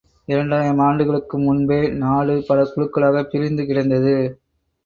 இரண்டாயிரம் ஆண்டுகளுக்கு முன்பே நாடு பல குழுக்களாகப் பிரிந்து கிடந்தது.